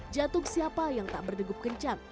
jatuh siapa yang tak berdegup kencang